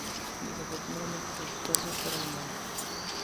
Desafortunadamente sus esfuerzos fueron en vano.